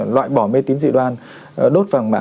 loại bỏ mê tín dị đoan đốt vàng mã